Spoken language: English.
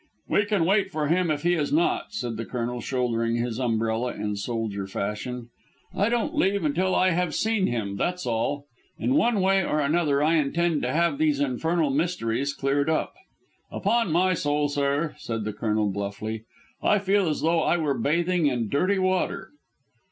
"We can wait for him if he is not," said the Colonel, shouldering his umbrella in soldier fashion. "I don't leave until I have seen him, that's all. In one way or another I intend to have these infernal mysteries cleared up. Upon my soul, sir," said the Colonel bluffly, "I feel as though I were bathing in dirty water."